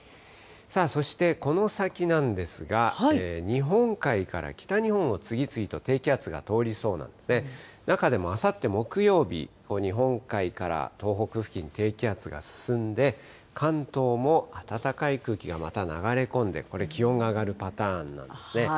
そしてこの先なんですが、日本海から北日本を次々と低気圧が通りそうなので、中でもあさって木曜日、日本海から東北付近に低気圧が進んで、関東も暖かい空気がまた流れ込んで、これ、気温が上がるパターンなんですね。